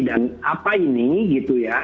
dan apa ini gitu ya